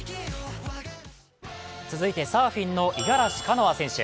続いてサーフィンの五十嵐カノア選手。